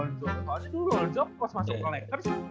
kalau itu lonzo pas masuk collecters